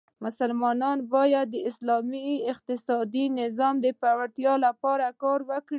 مسلمانان باید د اسلام اقتصادې نظام د پیاوړتیا لپاره کار وکړي.